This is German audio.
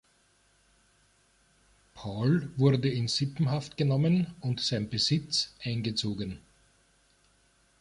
Paul wurde in Sippenhaft genommen und sein Besitz eingezogen.